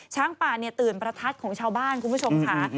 ช้างป่าตื่นประทัดของชาวบ้านคุณผู้ชมค่ะ